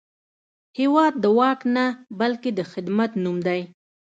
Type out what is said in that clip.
هېواد د واک نه، بلکې د خدمت نوم دی.